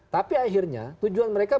tapi akhirnya tujuan mereka